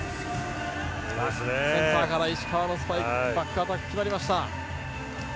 センターから石川のバックアタック決まりました。